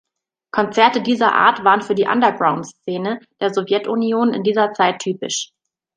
Konzerte dieser Art waren für die Undergroundszene der Sowjetunion in dieser Zeit typisch.